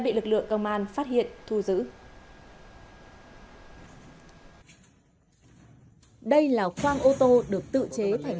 bị lực lượng công an phát hiện thu giữ đây là khoang ô tô được tự chế thành